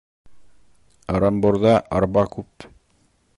Ырымбурҙа арба күп